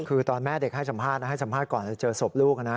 คือตอนแม่เด็กให้สัมภาษณ์ให้สัมภาษณ์ก่อนจะเจอศพลูกนะ